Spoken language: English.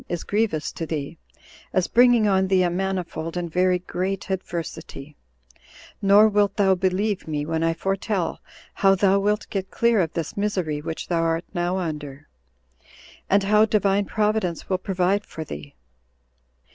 is grievous to thee, as bringing on thee a manifold and very great adversity; nor wilt thou believe me, when I foretell how thou wilt get clear of this misery which thou art now under, and how Divine Providence will provide for thee.